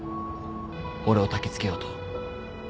俺をたきつけようと。